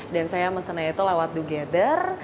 dan saya mesennya itu lewat together